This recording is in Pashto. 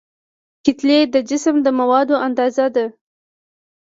کتلې د جسم د موادو اندازه ده.